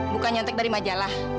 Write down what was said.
bukan nyantik dari majalah